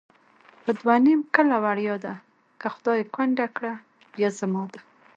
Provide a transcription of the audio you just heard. په دوه نیم کله وړیا ده، که خدای کونډه کړه بیا زما ده